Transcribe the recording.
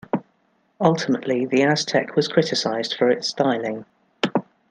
Ultimately, the Aztek was criticized for its styling.